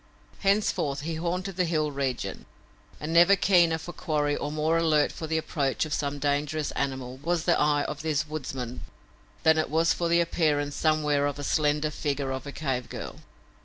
Henceforth he haunted the hill region, and never keener for quarry or more alert for the approach of some dangerous animal was the eye of this woodsman than it was for the appearance somewhere of a slender figure of a cave girl.